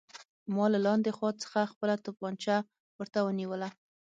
ما له لاندې خوا څخه خپله توپانچه ورته ونیوله